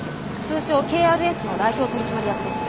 通称ＫＲＳの代表取締役です。